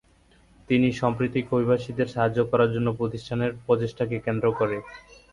তিনি সাম্প্রতিক অভিবাসীদের সাহায্য করার জন্য প্রতিষ্ঠানের প্রচেষ্টাকে কেন্দ্র করে।